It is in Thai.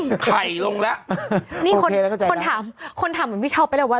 ไข่ลงแล้วนี่คนคนถามคนถามเหมือนพี่ช็อปไปแล้วว่า